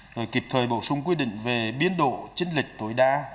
rồi kịp thời bổ sung quy định về biến độ chính lịch tối đa